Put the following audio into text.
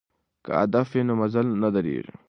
که هدف وي نو مزل نه دریږي.